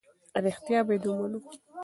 رښتیا باید ومنو.